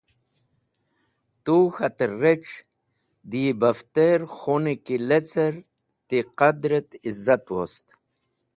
Tu k̃hater rec̃h dẽ yi bafter khuni ki lecer ti qadr et izat wost.